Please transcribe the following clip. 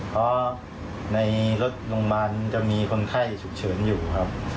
เพราะในรถโรงพยาบาลจะมีคนไข้ฉุกเฉินอยู่ครับ